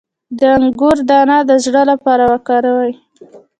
د انګور دانه د زړه لپاره وکاروئ